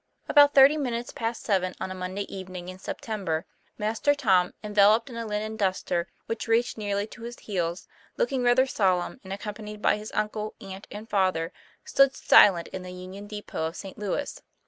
About thirty minutes past seven, on a Monday evening in September, Master Tom, enveloped in a linen duster which reached nearly to his heels, look ing rather solemn and accompanied by his uncle, aunt, and father, stood silent in the Union Depot of St. Louis.